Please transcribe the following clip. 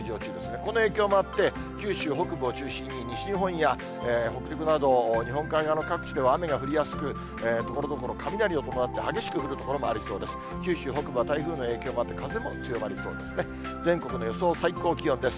この影響もあって、九州北部を中心に西日本や北陸など、日本海側の各地では雨が降りやすく、ところどころ雷を伴って、激しく降る所もありそうです。